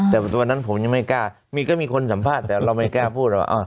แต่ตัวนั้นผมยังไม่กล้ามีก็มีคนสัมภาษณ์แต่เราไม่กล้าพูดว่า